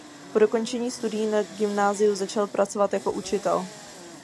Po dokončení studií na gymnáziu začal pracovat jako učitel.